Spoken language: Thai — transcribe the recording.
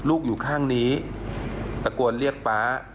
อยู่ข้างนี้ตะโกนเรียกป๊า